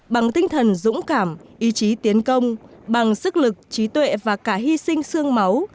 bằng tinh thần dũng cảm ý chí tiến công bằng sức lực trí tuệ và cả hy sinh sương máu